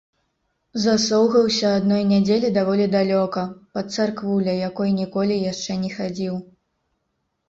Засоўгаўся адной нядзелі даволі далёка, пад царкву, ля якой ніколі яшчэ не хадзіў.